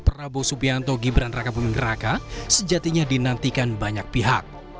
prabowo subianto gibran raka buming raka sejatinya dinantikan banyak pihak